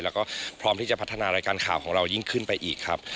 แล้วก็พร้อมที่จะพัฒนารายการข่าวของเรายิ่งขึ้นไปอีกครับ